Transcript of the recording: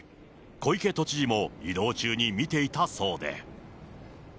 小池都知事も移動中に見ていたそうで。